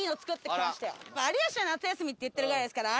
『有吉の夏休み』って言ってるぐらいですから。